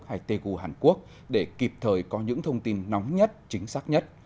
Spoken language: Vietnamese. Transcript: hay tê cù hàn quốc để kịp thời có những thông tin nóng nhất chính xác nhất